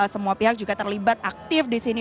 semua pihak juga terlibat aktif disini